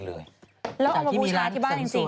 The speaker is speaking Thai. แล้วเอามาบุญชาติที่บ้านจริงหรอสนสวย